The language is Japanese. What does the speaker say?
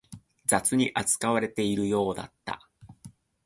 雑に扱われているようだった